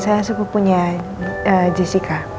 saya sepupunya jessica